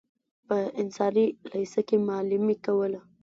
په انصاري لېسه کې معلمي کوله.